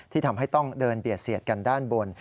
ทำให้ต้องเดินเบียดเสียดกันด้านบน